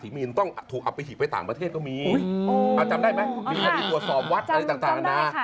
ต่อปีก็ต้องต้องไปต่อที่ราศีมีน